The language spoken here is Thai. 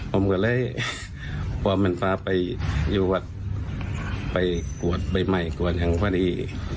ผมก็เลยปลอมแม่นฟ้าไปอยู่วัดไปกวดใบใหม่ก่อนหังว่าดี